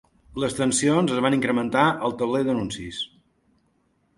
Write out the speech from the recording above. Les tensions es van incrementar al tauler d’anuncis.